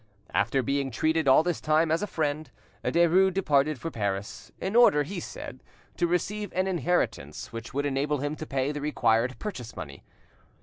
After being treated all this time as a friend, Derues departed for Paris, in order, he said, to receive an inheritance which would enable him to pay the required purchase money.